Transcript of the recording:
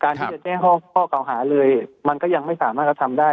ที่จะแจ้งข้อเก่าหาเลยมันก็ยังไม่สามารถกระทำได้